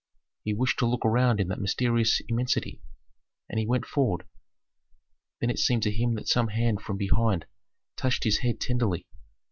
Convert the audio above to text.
He wished to look around in that mysterious immensity, and he went forward. Then it seemed to him that some hand from behind touched his head tenderly.